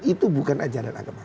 itu bukan ajaran agama